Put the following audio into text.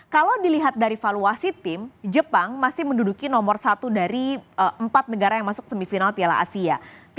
kalau dilihat dari valuasi tim jepang masih menduduki nomor satu dari empat negara yang masuk semifinal piala asia